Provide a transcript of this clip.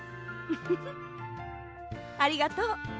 フフフありがとう。